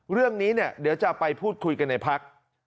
เรื่องนี้เนี่ยเดี๋ยวจะไปพูดคุยกันในพัก